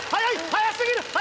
速すぎる！